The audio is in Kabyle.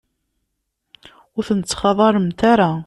Ur ten-ttxalaḍemt ara.